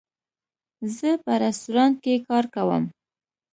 زه په رستورانټ کې کار کوم